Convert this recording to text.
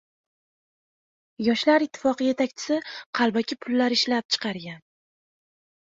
Yoshlar ittifoqi yetakchisi qalbaki pullar ishlab chiqargan